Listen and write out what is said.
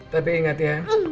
tapi ingat ya